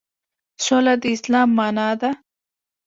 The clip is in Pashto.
سوله د اسلام معنی ده